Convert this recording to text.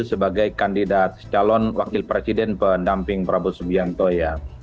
sebagai kandidat calon wakil presiden pendamping prabowo subianto ya